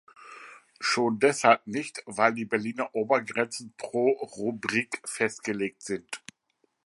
Schon deshalb nicht, weil die Berliner Obergrenzen pro Rubrik festgelegt sind.